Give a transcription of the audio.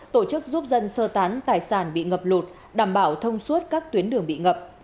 tổ chức giúp dân sơ tán tài sản bị ngập lụt đảm bảo thông suốt các tuyến đường bị ngập